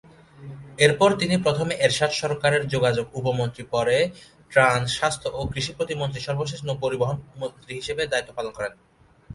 এরপর তিনি প্রথমে এরশাদ সরকারের যোগাযোগ উপমন্ত্রী পরে ত্রাণ, স্বাস্থ্য ও কৃষি প্রতিমন্ত্রী, সর্বশেষ নৌপরিবহন মন্ত্রী হিসেবে দায়িত্ব পালন করেন।